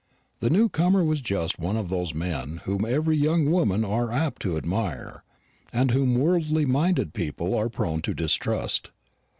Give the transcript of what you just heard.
The new comer was just one of those men whom very young women are apt to admire, and whom worldly minded people are prone to distrust.